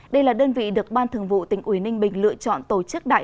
đây là đơn vị được ban thường vụ tỉnh ủy ninh bình lựa chọn tổ chức đại